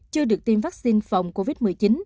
chưa được tiêm vaccine phòng covid một mươi chín